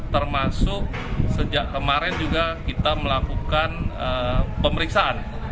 termasuk sejak kemarin juga kita melakukan pemeriksaan